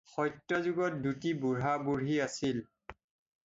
সত্যযুগত দুটি বুঢ়া-বুঢ়ী আছিল।